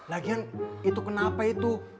lagian itu kenapa itu